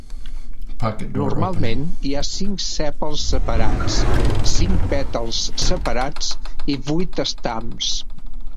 Normalment, hi ha cinc sèpals separats, cinc pètals separats i vuit estams.